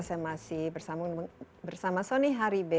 saya masih bersama sony hari b